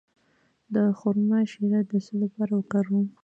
د خرما شیره د څه لپاره وکاروم؟